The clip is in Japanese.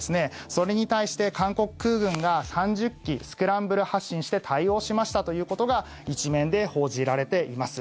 それに対して、韓国空軍が３０機、スクランブル発進して対応しましたということが１面で報じられています。